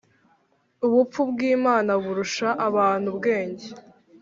ubupfu bw’Imana burusha abantu ubwenge